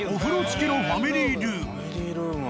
ファミリールーム。